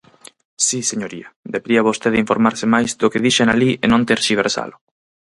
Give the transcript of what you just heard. Si, señoría, debería vostede informarse máis do que dixen alí e non terxiversalo.